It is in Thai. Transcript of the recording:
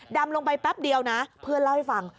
ดำลงไปแป๊บเดียวนะเพื่อนเล่าให้ฟัง